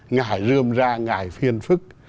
ngại rươm ra ngại phiền phức